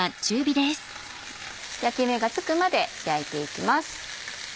焼き目がつくまで焼いて行きます。